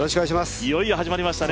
いよいよ始まりましたね。